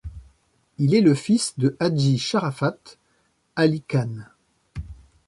Il est le fils de Haji Sharafat Ali Khan.